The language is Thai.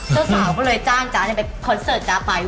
เจ้าสาวก็เลยจ้างจ๊ะไปคอนเสิร์ตจ๊ะไป